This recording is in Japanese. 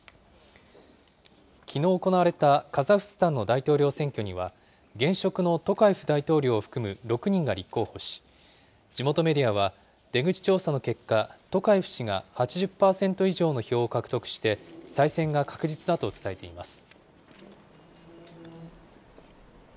きのう行われたカザフスタンの大統領選挙には、現職のトカエフ大統領を含む６人が立候補し、地元メディアは出口調査の結果、トカエフ氏が８０％以上の票を獲得して、再選が確実だと伝えています。